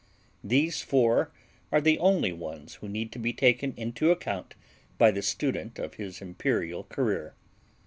These four are the only ones who need to be taken into account by the student of his imperial career.